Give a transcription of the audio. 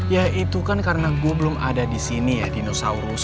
ya itu kan karena gue belum ada di sini ya dinosaurus